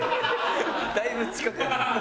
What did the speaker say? だいぶ近くなって。